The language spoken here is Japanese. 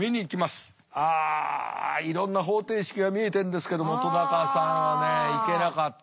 あいろんな方程式が見えてんですけども本さんはねいけなかった。